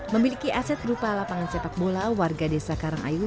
memiliki aset berupa lapangan sepak bola warga desa karangayu